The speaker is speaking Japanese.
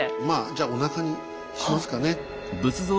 まあじゃおなかにしますかね。